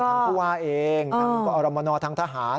ทางผู้ว่าเองทางกอรมนทางทหาร